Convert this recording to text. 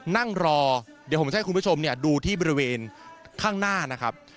นั่งรอเดี๋ยวผมจะให้คุณผู้ชมดูที่บริเวณข้างหน้านะครับ